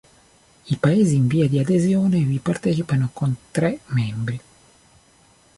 I paesi in via di adesione vi partecipano con tre membri.